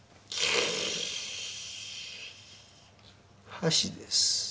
箸です。